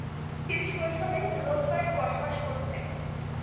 তিনি শৈশবে রোজবার্গে বসবাস করতেন।